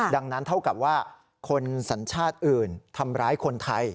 ดังนั้นเท่ากับว่าคนสัญชาติอื่นทำร้ายคนไทย